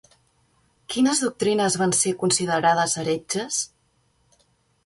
Quines doctrines van ser considerades heretges?